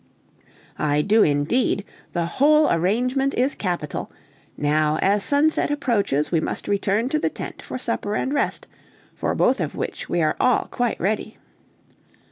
"I do, indeed; the whole arrangement is capital. Now, as sunset approaches, we must return to the tent for supper and rest, for both of which we are all quite ready."